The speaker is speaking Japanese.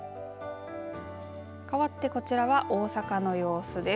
かわってこちらは大阪の様子です。